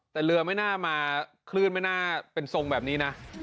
แต่เรือไม่น่ามาคลื่นไม่น่าเป็นทรงแบบนี้นะ